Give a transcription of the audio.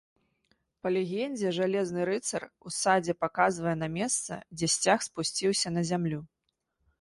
Па легендзе жалезны рыцар у садзе паказвае на месца, дзе сцяг спусціўся на зямлю.